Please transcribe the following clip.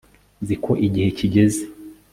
nzi ko igihe kigeze